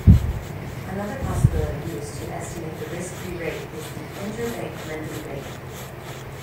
Another possibility used to estimate the risk free rate is the inter-bank lending rate.